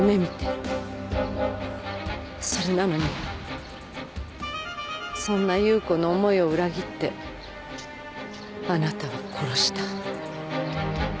それなのにそんな夕子の思いを裏切ってあなたは殺した。